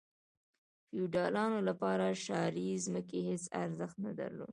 د فیوډالانو لپاره شاړې ځمکې هیڅ ارزښت نه درلود.